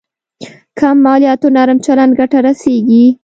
کم مالياتو نرم چلند ګټه رسېږي.